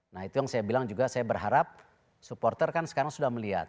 nah itu yang saya bilang juga saya berharap supporter kan sekarang sudah melihat